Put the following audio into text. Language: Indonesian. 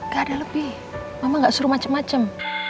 gak ada lebih mama gak suruh macem macem